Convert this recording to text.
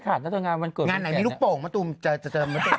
ขาดนะเถอะงานวันเกิดงานไหนมีลูกโป่งมะตูมเจอเจอมะเต็มทำไมงาน